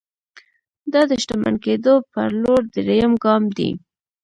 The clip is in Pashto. دا د شتمن کېدو پر لور درېيم ګام دی.